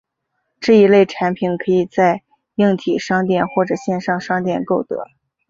这一类产品可以在硬体商店或线上商店购得。